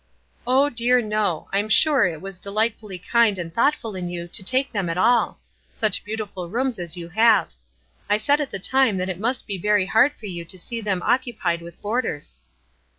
"Oh, dear, no ! I'm sure it was delightfully kind and thoughtful in you to take them at all ; such beautiful rooms as you have. I said at the time that it must be very hard for you to see them occupied with boarders."